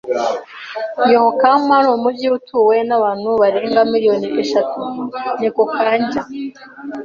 Yokohama n'umujyi utuwe n'abantu barenga miliyoni eshatu. (NekoKanjya)